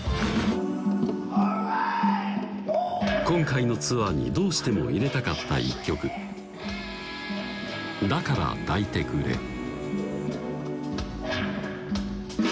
今回のツアーにどうしても入れたかった一曲「だから、抱いてくれ」